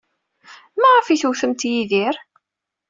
Maɣef ay tewtemt Yidir?